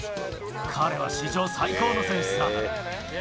彼は史上最高の選手さ。